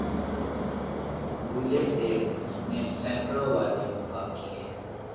بھولے سے اس نے سیکڑوں وعدے وفا کیے